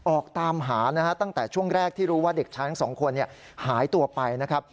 ออกตามหานะฮะตั้งแต่ช่วงแรกที่รู้ว่าเด็กชายทั้งสองคนหายตัวไปนะครับ